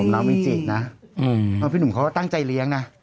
น้องมิจินะพี่หนุ่มเขาก็ตั้งใจเลี้ยงนะ